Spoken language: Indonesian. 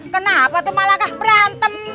kenapa tuh malah kah berantem